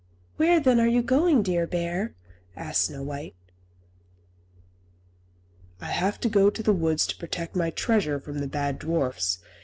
"Where, then, are you going, dear bear?" asked Snow White. "I have to go to the woods to protect my treasure from the bad dwarfs.